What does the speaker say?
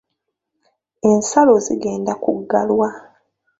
Ensalo zigenda kuggalwa.